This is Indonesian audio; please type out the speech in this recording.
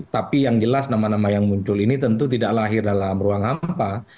tapi yang jelas nama nama yang muncul ini tentu tidak lahir dalam ruang hampa